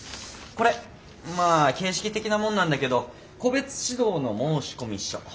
これまあ形式的なもんなんだけど個別指導の申込書。